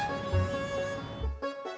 lo mau kemana